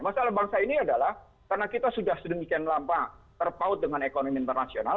masalah bangsa ini adalah karena kita sudah sedemikian lama terpaut dengan ekonomi internasional